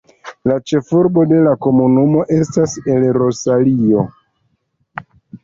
La ĉefurbo de la komunumo estas El Rosario.